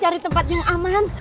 cari tempat yang aman